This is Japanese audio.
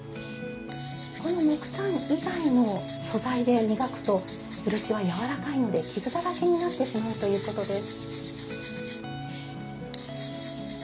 この木炭以外の素材で磨くと漆はやわらかいので傷だらけになってしまうということです。